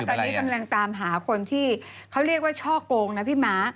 ตอนนี้กำลังตามหาคนที่เขาเรียกว่าช่อโกงนะพี่ม้า